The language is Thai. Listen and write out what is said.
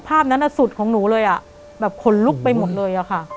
ภาพนั้นน่ะสูตรของหนูเลยอ่ะคนลุกไปหมดเลยล่ะค่ะ